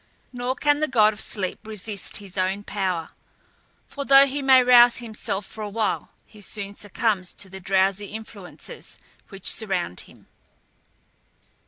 Nor can the god of Sleep resist his own power; for though he may rouse himself for a while, he soon succumbs to the drowsy influences which surround him.